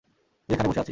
তুই এখানে বসে আছিস!